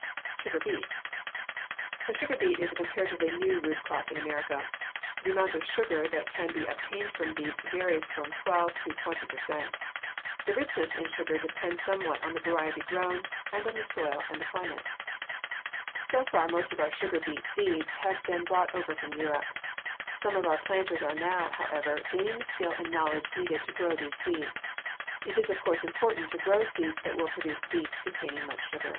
=Sugar Beets.= The sugar beet is a comparatively new root crop in America. The amount of sugar that can be obtained from beets varies from twelve to twenty per cent. The richness in sugar depends somewhat on the variety grown and on the soil and the climate. So far most of our sugar beet seeds have been brought over from Europe. Some of our planters are now, however, gaining the skill and the knowledge needed to grow these seeds. It is of course important to grow seeds that will produce beets containing much sugar.